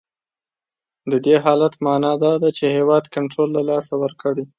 د دې حالت معنا دا ده چې هیواد کنټرول له لاسه ورکړی.